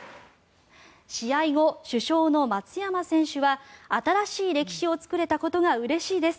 試合後、主将の松山選手は新しい歴史を作れたことがうれしいです